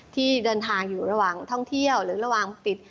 ที่เดินทางอยู่ระหว่างท่องเที่ยวหรือระหว่างปิด